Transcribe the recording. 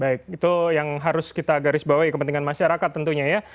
baik itu yang harus kita garis bawahi kepentingan masyarakat tentunya ya